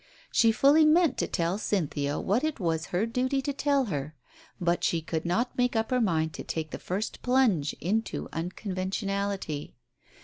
She fully meant to tell Cynthia what it was her duty to tell her, but she could not make up her mind to take the first plunge into unconventionality.